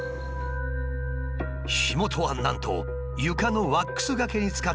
火元はなんと床のワックスがけに使った雑巾。